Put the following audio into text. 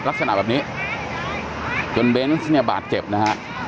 ลักษณะแบบนี้จนเบนส์เนี่ยบาดเจ็บนะฮะ